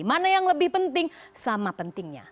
mana yang lebih penting sama pentingnya